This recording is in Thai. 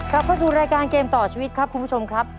เข้าสู่รายการเกมต่อชีวิตครับคุณผู้ชมครับ